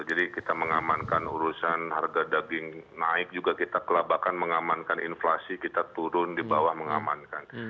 jadi kita mengamankan urusan harga daging naik juga kita kelabakan mengamankan inflasi kita turun dibawah mengamankan